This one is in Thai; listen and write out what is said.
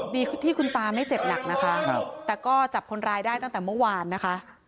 ดีที่คุณตาไม่เจ็บหนักนะคะแต่ก็จับคนร้ายได้ตั้งแต่เมื่อวานนะคะ